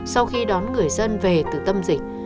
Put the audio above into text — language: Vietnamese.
sau khi đón người dân về từ tâm dịch